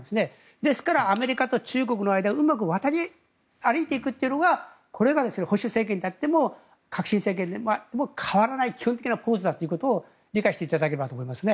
ですから、アメリカと中国の間をうまく渡り歩いていくというのがこれが保守政権にとっても革新政権であっても変わらないという究極な構図であるということを理解していただければと思いますね。